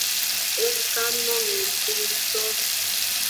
E kan no nusu ngto.